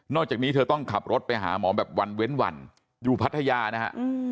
จากนี้เธอต้องขับรถไปหาหมอแบบวันเว้นวันอยู่พัทยานะฮะ